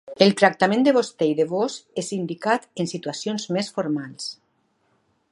El tractament de vostè i de vós és indicat en situacions més formals.